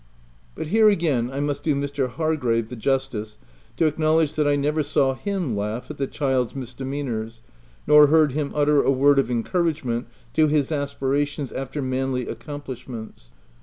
But here again, I must do Mr. Hargrave the justice to acknowledge that I never saw him laugh at the child's misdemeanours, nor heard him utter a word of encouragement to his aspi rations after manly accomplishments.